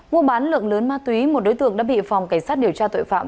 mua bán lượng lớn ma túy một đối tượng đã bị phòng cảnh sát điều tra tội phạm